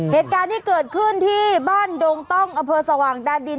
เหตุการณ์ที่เกิดขึ้นที่บ้านดงต้องอเภอสว่างดาดิน